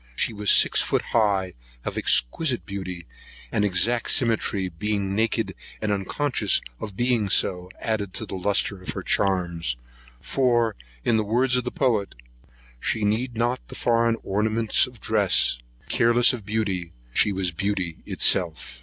She was six feet high, of exquisite beauty, and exact symmetry, being naked, and unconscious of her being so, added a lustre to her charms; for, in the words of the poet, "She needed not the foreign ornaments of dress; careless of beauty, she was beauty's self."